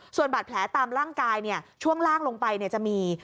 ส่วนบาดแผลตามร่างกายเนี่ยช่วงล่างลงไปเนี่ยจะมี